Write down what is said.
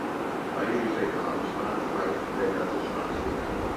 Beide Geschlechter haben schwarz-weiß gebänderte Schwanzfedern.